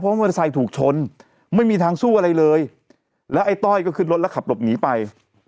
มอเตอร์ไซค์ถูกชนไม่มีทางสู้อะไรเลยแล้วไอ้ต้อยก็ขึ้นรถแล้วขับหลบหนีไป